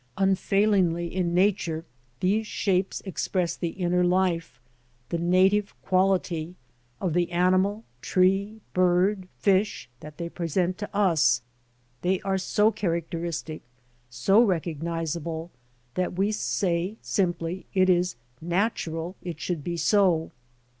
Unfailingly in nature these shapes express the inner life, the native quality, of the animal, tree, bird, fish, that they present to us; they are so characteristic, so recognizable, that we say, simply, it is " natu ral" it should be so.